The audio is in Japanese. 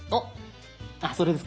あっそれですか。